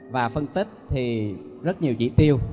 và phân tích thì rất nhiều chỉ tiêu